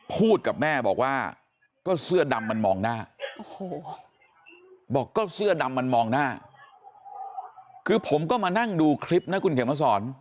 พูดกับแม่บอกว่าก็เสื้อดำมันมองหน้าบอกก็เสื้อดำมันมองหน้าคือผมก็มานั่งดูคลิปนะคุณเขียนมาสอน